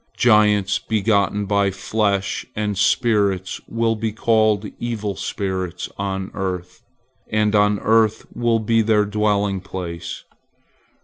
Giants begotten by flesh and spirits will be called evil spirits on earth, and on the earth will be their dwelling place.